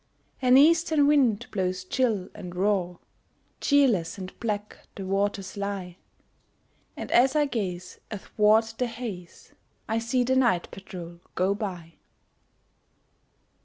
An eastern wind blows chill and raw, Cheerless and black the waters lie, And as I gaze athwart the haze, I see the night patrol go by.